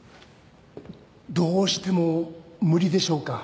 どうしても無理でしょうか？